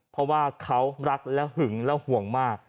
เพราะว่าเขารักและหึงและห่วงมาก